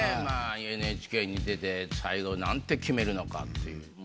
まあＮＨＫに出て最後なんて決めるのかっていう。